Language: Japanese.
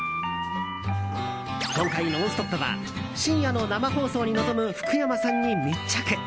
今回、「ノンストップ！」は深夜の生放送に臨む福山さんに密着。